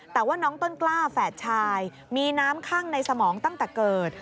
แต่ว่าน้องต้นกล้าแฝดชายมีน้ำข้างในสมองตั้งแต่เกิด